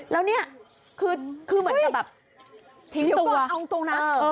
แล้วเนี้ยคือคือเหมือนจะแบบเอาตรงนะเออ